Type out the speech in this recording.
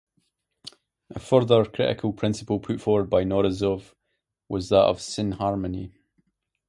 A further critical principle put forward by Knorozov was that of synharmony.